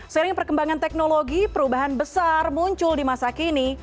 seiring perkembangan teknologi perubahan besar muncul di masa kini